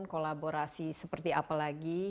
kolaborasi seperti apa lagi